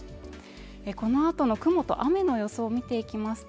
このあとの雲と雨の予想を見ていきますと